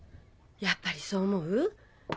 やっぱりそう思う？